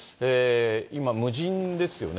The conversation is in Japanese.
今、無人ですよね。